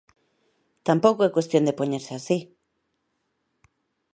Tampouco é cuestión de poñerse así.